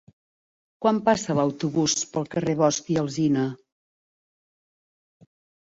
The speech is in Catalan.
Quan passa l'autobús pel carrer Bosch i Alsina?